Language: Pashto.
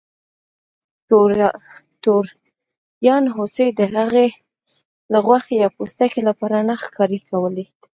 توریانو هوسۍ د هغې له غوښې یا پوستکي لپاره نه ښکار کولې.